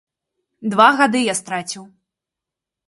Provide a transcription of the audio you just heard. Два гады я страціў.